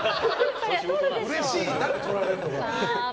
うれしいな、撮られるのは。